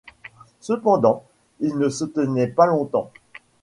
Cependant, ils ne se tenaient pas longtemps.